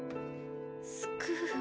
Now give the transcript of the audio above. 「救う」？